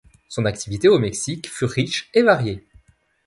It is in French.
Son activité au Mexique fut riche et variée.